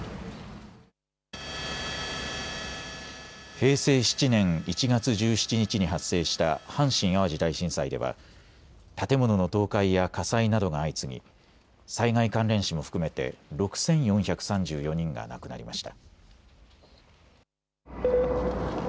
平成７年１月１７日に発生した阪神・淡路大震災では建物の倒壊や火災などが相次ぎ災害関連死も含めて６４３４人が亡くなりました。